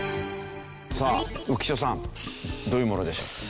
さあ浮所さんどういうものでしょうか？